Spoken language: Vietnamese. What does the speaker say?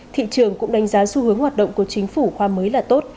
thị trường cũng đánh giá xu hướng hoạt động của chính phủ khoa mới là tốt